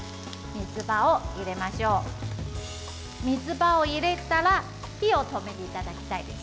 みつばを入れたら火を止めていただきたいです。